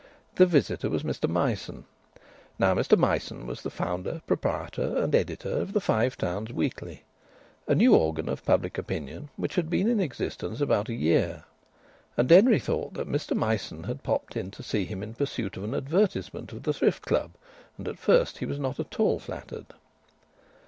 The visitor was Mr Myson. Now Mr Myson was the founder, proprietor and editor of the Five Towns Weekly, a new organ of public opinion which had been in existence about a year; and Denry thought that Mr Myson had popped in to see him in pursuit of an advertisement of the Thrift Club, and at first he was not at all flattered.